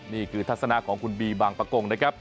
นี่คือทัศนาของคุณบีบางประกงนะครับ